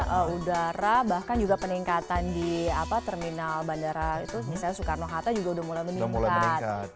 kemudian udara bahkan juga peningkatan di terminal bandara itu misalnya soekarno hatta juga udah mulai meningkat